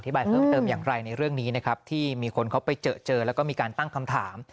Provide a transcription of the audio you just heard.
บายเพิ่มเติมอย่างไรในเรื่องนี้นะครับที่มีคนเขาไปเจอเจอแล้วก็มีการตั้งคำถาม